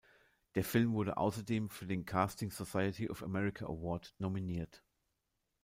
Der Film wurde außerdem für den "Casting Society of America Award" nominiert.